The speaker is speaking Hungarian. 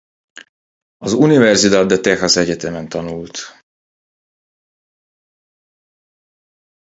Az Universidad de Texas egyetemen tanult.